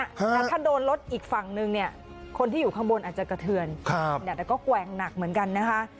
แต่ถ้าโดนรถอีกฝั่งนึงเนี่ยคนที่อยู่ข้างบนอาจจะกระเทือนแต่ก็แกว่งหนักเหมือนกันนะคะ